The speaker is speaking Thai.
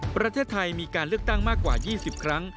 ประเทศไทยมีการเลือกตั้งมากกว่า๒๐ครั้ง